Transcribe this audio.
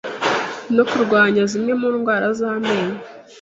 no kurwanya zimwe mu ndwara z’amenyo